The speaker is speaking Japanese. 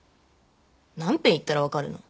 何べん言ったらわかるの？